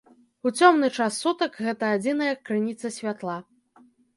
У цёмны час сутак гэта адзіная крыніца святла.